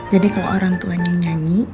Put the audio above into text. jadi kalau orang tuanya nyanyi